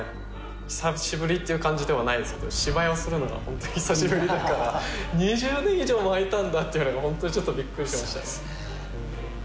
久しぶりっていう感じではないですけど芝居をするのがホントに久しぶりだから２０年以上もあいたんだっていうのがホントにちょっとびっくりしましたそうですね